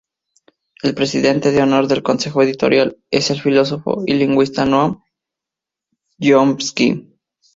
El presidente de honor del Consejo Editorial es el filósofo y lingüista Noam Chomsky.